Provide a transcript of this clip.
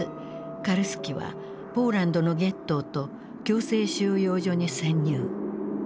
カルスキはポーランドのゲットーと強制収容所に潜入。